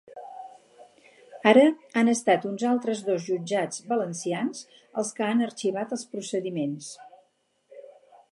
Ara han estat uns altres dos jutjats valencians els que han arxivat els procediments.